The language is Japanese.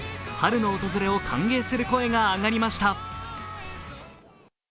春の訪れを歓迎する声が上がりました。